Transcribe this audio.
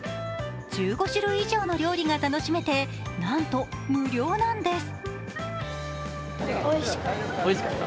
１５種類以上の料理が楽しめてなんと無料なんです。